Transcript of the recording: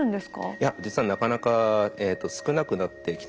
いや実はなかなか少なくなってきています。